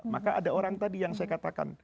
maka ada orang tadi yang saya katakan